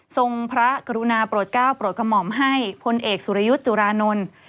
พระกรุณาโปรดก้าวโปรดกระหม่อมให้พลเอกสุรยุทธ์จุรานนท์